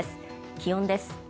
気温です。